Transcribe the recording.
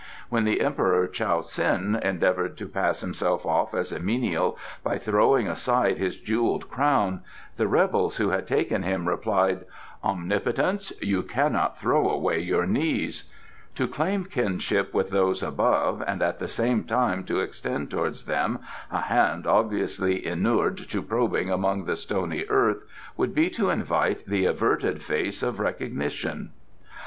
When the Emperor Chow sin endeavoured to pass himself off as a menial by throwing aside his jewelled crown, the rebels who had taken him replied: 'Omnipotence, you cannot throw away your knees.' To claim kinship with those Above and at the same time to extend towards them a hand obviously inured to probing among the stony earth would be to invite the averted face of recognition."